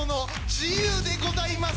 『自由』でございます。